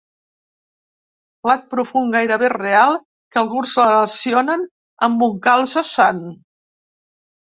Plat profund gairebé real que alguns relacionen amb un calze sant.